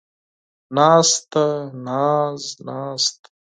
ناسته ، ناز ، ناست